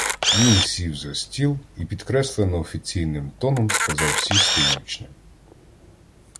Він сів за стіл і підкреслено офіційним тоном сказав сісти й учням.